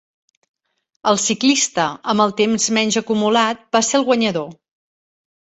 El ciclista amb el temps menys acumulat va ser el guanyador.